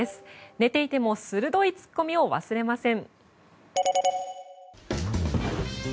寝ていても鋭いツッコミを忘れません。